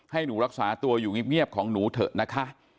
ให้หนูรักษาตัวอยู่เงียบของหนูเถอะนะคะ